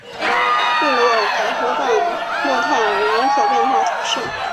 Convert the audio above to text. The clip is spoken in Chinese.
布卢尔德河畔穆泰尔人口变化图示